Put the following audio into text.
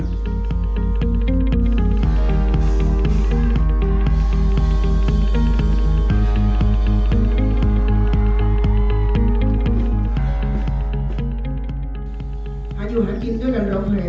อายุหากินด้วยกันร้องเพลง